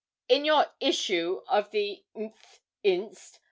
In your issue of the th inst.